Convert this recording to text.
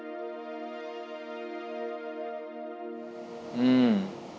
うん。